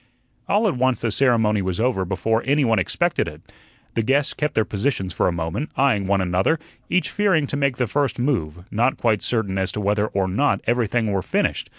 All at once the ceremony was over before any one expected it. The guests kept their positions for a moment, eyeing one another, each fearing to make the first move, not quite certain as to whether or not everything were finished.